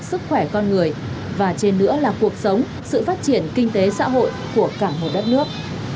sức khỏe con người và trên nữa là cuộc sống sự phát triển kinh tế xã hội của cả một đất nước